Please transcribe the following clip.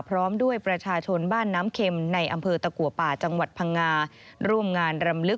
พร้อมด้วยประชาชนบ้านน้ำเข็มในอำเภอตะกัวป่าจังหวัดพังงา